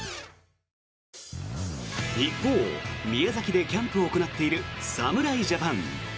一方、宮崎でキャンプを行っている侍ジャパン。